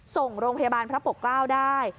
ส่งโรงพยาบาลพระปกเกล้าได้